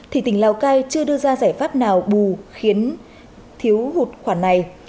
thì tỉnh lào cai chưa đưa ra giải pháp nào bù khiến thiếu hụt khoản này